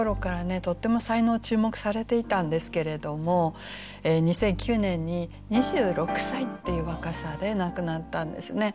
とっても才能を注目されていたんですけれども２００９年に２６歳っていう若さで亡くなったんですね。